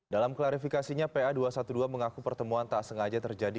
dalam klarifikasinya pa dua ratus dua belas mengaku pertemuan tak sengaja terjadi